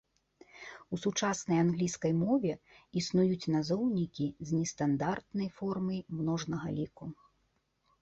У сучаснай англійскай мове існуюць назоўнікі з нестандартнай формай множнага ліку.